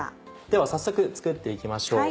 では早速作って行きましょう